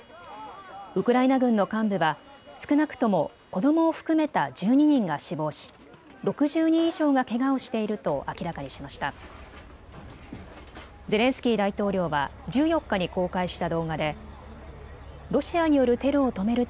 ウクライナ軍の幹部は少なくとも子どもを含めた１２人が死亡し６０人以上がけがをしていると明らかにしました。